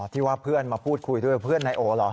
ที่ว่าเพื่อนมาพูดคุยด้วยเพื่อนนายโอเหรอ